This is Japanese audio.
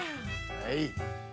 はい。